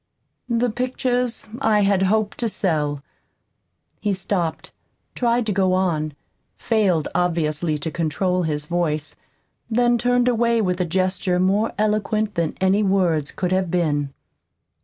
The pictures I had hoped to sell "He stopped, tried to go on, failed obviously to control his voice; then turned away with a gesture more eloquent than any words could have been.